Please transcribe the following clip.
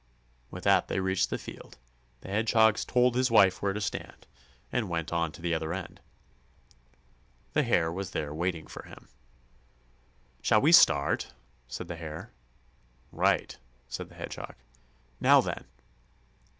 '" With that they reached the field. The Hedgehog told his wife where to stand, and went on to the other end. The Hare was there waiting for him. "Shall we start?" asked the Hare. "Right," said the Hedgehog. "Now then!"